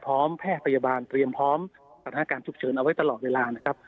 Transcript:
แพทย์พยาบาลเตรียมพร้อมสถานการณ์ฉุกเฉินเอาไว้ตลอดเวลานะครับ